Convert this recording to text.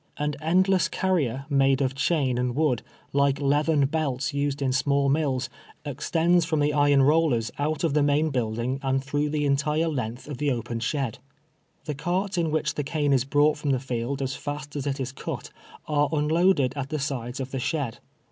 An end less carrier, made of chain and wood, like leathern belts used in small mills, extends from the iron rollers out of the main buildino; and throuo h the entire length of the open shed. The carts in w^hich the cane is brought from the field as fast as it is cut, are un loaded at the sides of the shed.